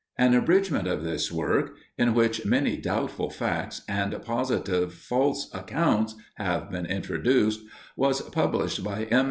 An abridgment of this work, in which many doubtful facts and positive false accounts have been introduced, was published by M.